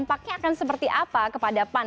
dan dampaknya akan seperti apa kepada pan